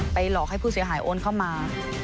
หลอกให้ผู้เสียหายโอนเข้ามา